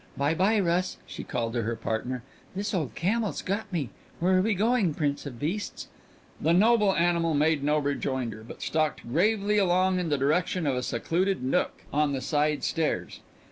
"By by, Rus," she called to her partner. "This old camel's got me. Where we going, Prince of Beasts?" The noble animal made no rejoinder, but stalked gravely along in the direction of a secluded nook on the side stairs.